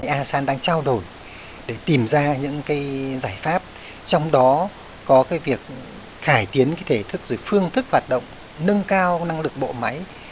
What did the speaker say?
asean đang trao đổi để tìm ra những giải pháp trong đó có việc cải tiến thể thức phương thức hoạt động nâng cao năng lực bộ máy